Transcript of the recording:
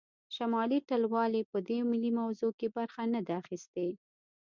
شمالي ټلوالې په دې ملي موضوع کې برخه نه ده اخیستې